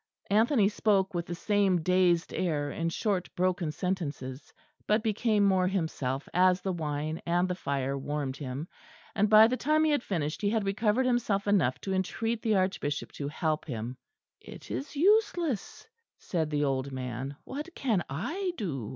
Anthony spoke with the same dazed air, in short broken sentences; but became more himself as the wine and the fire warmed him; and by the time he had finished he had recovered himself enough to entreat the Archbishop to help him. "It is useless," said the old man. "What can I do?